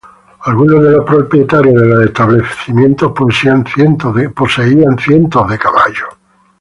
Algunos de los propietarios de los establecimientos poseían cientos de caballos.